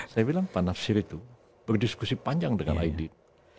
saya bilang pak nasir itu berdiskusi panjang dengan aidit